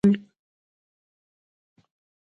د ریل پټلۍ باید د اورګاډي لپاره پاکه وي.